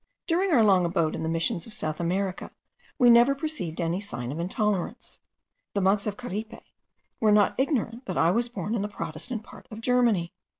During our long abode in the Missions of South America we never perceived any sign of intolerance. The monks of Caripe were not ignorant that I was born in the protestant part of Germany.